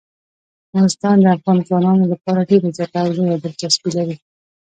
نورستان د افغان ځوانانو لپاره ډیره زیاته او لویه دلچسپي لري.